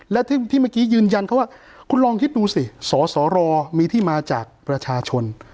และที่เมื่อกี้ยืนยันเขาว่าคุณลองคิดดูสิสสรมีที่มาจากประชาชน